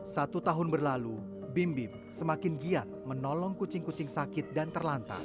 satu tahun berlalu bim bim semakin giat menolong kucing kucing sakit dan terlantar